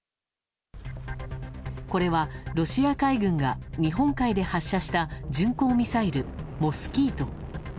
これは、ロシア海軍が日本海で発射した巡航ミサイル、モスキート。